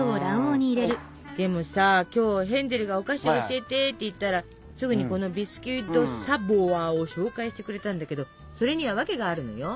でもさ今日ヘンゼルがお菓子教えてって言ったらすぐにこのビスキュイ・ド・サヴォワを紹介してくれたんだけどそれにはワケがあるのよ。